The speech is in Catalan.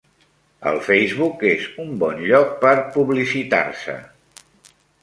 El Facebook és un bon lloc per publicitar-se.